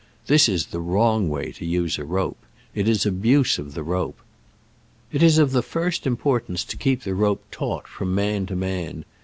This is the wrong way to use a rope. It is abuse of the rope. It is of the first importance to keep the rope taut from man to man.